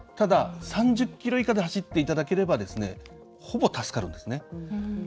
３０キロ以下で走っていただければほぼ助かるんですね。